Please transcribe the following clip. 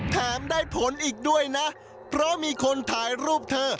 แถมได้ผลอีกด้วยนะเพราะมีคนถ่ายรูปเธอ